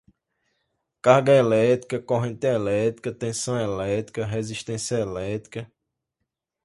carga elétrica, corrente elétrica, tensão elétrica, resistência elétrica